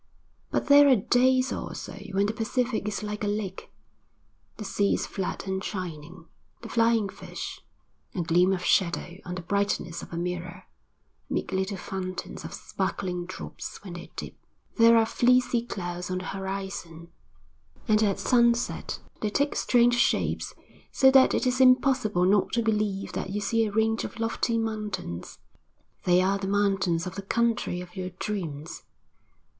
But there are days also when the Pacific is like a lake. The sea is flat and shining. The flying fish, a gleam of shadow on the brightness of a mirror, make little fountains of sparkling drops when they dip. There are fleecy clouds on the horizon, and at sunset they take strange shapes so that it is impossible not to believe that you see a range of lofty mountains. They are the mountains of the country of your dreams.